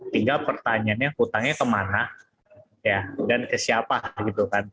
tinggal pertanyaannya hutangnya kemana dan ke siapa gitu kan